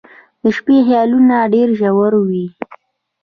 • د شپې خیالونه ډېر ژور وي.